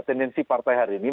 tendensi partai hari ini